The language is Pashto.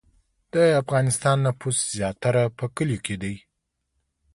د افغانستان نفوس زیاتره په کلیو کې دی